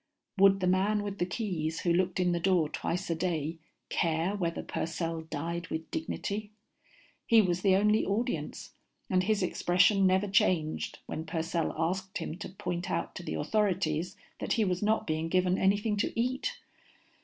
Would the man with the keys who looked in the door twice a day care whether Purcell died with dignity? He was the only audience, and his expression never changed when Purcell asked him to point out to the authorities that he was not being given anything to eat.